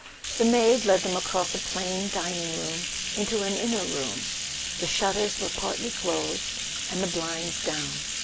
The maid led them across a plain dining room into an inner room. The shutters were partly closed, and the blinds down.